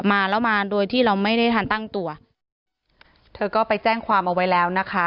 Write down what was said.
มาแล้วมาโดยที่เราไม่ได้ทันตั้งตัวเธอก็ไปแจ้งความเอาไว้แล้วนะคะ